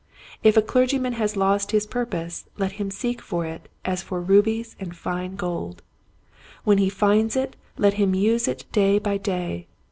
If a clergyman has lost his purpose let him seek for it as for rubies and fine gold. When he finds it let him use it day by day.